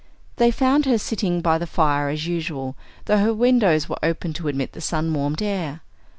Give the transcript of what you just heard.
They found her sitting by the fire as usual, though her windows were open to admit the sun warmed air.